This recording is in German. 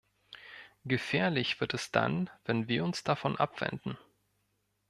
Gefährlich wird es dann, wenn wir uns davon abwenden.